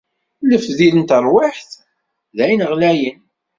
Lefdi n terwiḥt, d ayen ɣlayen.